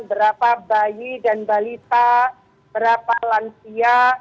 berapa bayi dan balita berapa lansia